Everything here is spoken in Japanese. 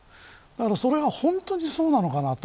それが本当にそうなのかなと。